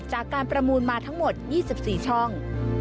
จากการประมูลมาทั้งหมด๒๔ช่อง